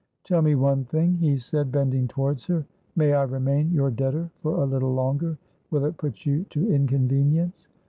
"Tell me one thing," he said, bending towards her. "May I remain your debtor for a little longer? Will it put you to inconvenience?"